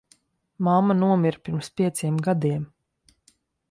Mamma nomira pirms pieciem gadiem.